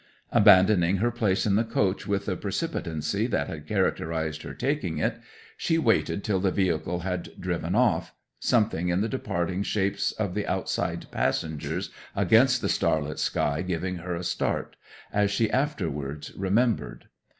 Abandoning her place in the coach with the precipitancy that had characterized her taking it, she waited till the vehicle had driven off, something in the departing shapes of the outside passengers against the starlit sky giving her a start, as she afterwards remembered.